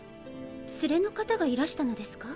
連れの方がいらしたのですか？